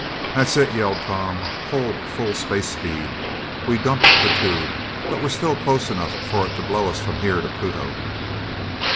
"That's it," yelled Tom, "hold full space speed! We dumped the tube, but we're still close enough for it to blow us from here to Pluto!"